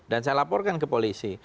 dan saya laporkan ke polisi